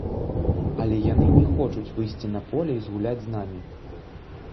Але яны не хочуць выйсці на поле і згуляць з намі.